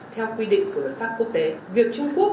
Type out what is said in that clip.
chủ quyền việt nam đối với quần đảo này